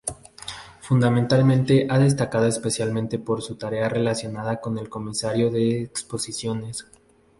Fundamentalmente, ha destacado especialmente por su tarea relacionada con el comisariado de exposiciones.